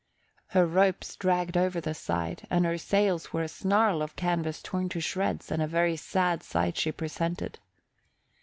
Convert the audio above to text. Her ropes dragged over the side and her sails were a snarl of canvas torn to shreds, and a very sad sight she presented.